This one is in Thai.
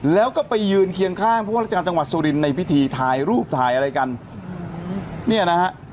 แล้วก็ไปยืนเคียงข้างผู้ว่าราชการจังหวัดสุรินทร์ในพิธีถ่ายรูปถ่ายอะไรกันเนี่ยนะฮะ